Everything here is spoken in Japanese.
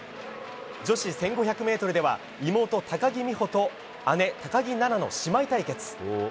女子１５００ｍでは妹・高木美帆と姉・高木菜那の姉妹対決。